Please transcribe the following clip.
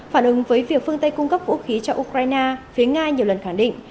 phản ứng với việc phương tây cung cấp vũ khí cho ukraine phía nga nhiều lần khẳng định